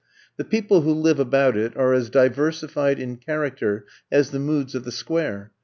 The people who live about it are as diversified in character as the moods of the Square.